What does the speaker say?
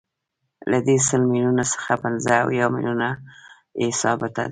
له دې سل میلیونو څخه پنځه اویا میلیونه یې ثابته ده